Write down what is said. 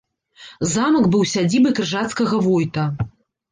Замак быў сядзібай крыжацкага войта.